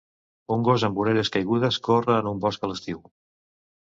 Un gos amb orelles caigudes corre en un bosc a l'estiu.